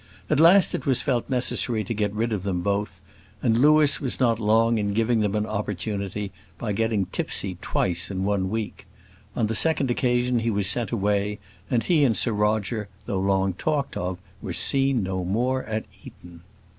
At last it was felt necessary to get rid of them both; and Louis was not long in giving them an opportunity, by getting tipsy twice in one week. On the second occasion he was sent away, and he and Sir Roger, though long talked of, were seen no more at Eton.